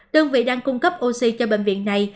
đơn vị đang cung cấp oxy cho bệnh viện này